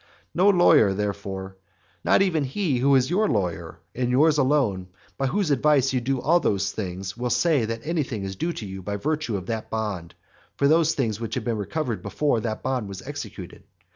No lawyer, therefore, not even he who is your lawyer and yours alone, and by whose advice you do all these things, will say that anything is due to you by virtue of that bond for those things which had been recovered before that bond was executed.